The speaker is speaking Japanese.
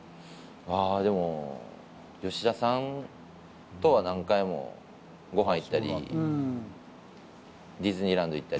ああ、でも吉田さんとは何回もごはん行ったり、ディズニーランド行ったり。